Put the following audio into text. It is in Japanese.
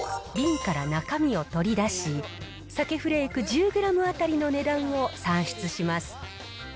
瓶から中身を取り出し、鮭フレーク１０グラム当たりの値段を算出します。